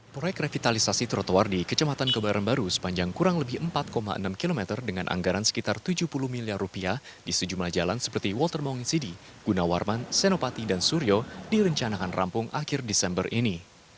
proyek revitalisasi trotoar di kecematan kebaran baru sepanjang kurang lebih empat enam km dengan anggaran sekitar tujuh puluh miliar rupiah di sejumlah jalan seperti water maunginsidi gunawarman senopati dan suryo direncanakan rampung akhir desember ini